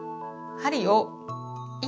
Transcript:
針を１。